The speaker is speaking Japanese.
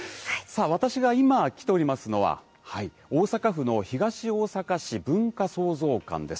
私が今、来ておりますのは、大阪府の東大阪市文化創造館です。